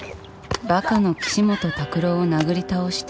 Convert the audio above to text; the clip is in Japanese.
ばかの岸本拓朗を殴り倒して。